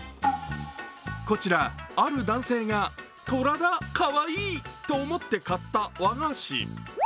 こちらある男性が、とらだかわいいと思って買った和菓子。